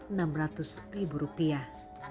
enam ratus ribu rupiah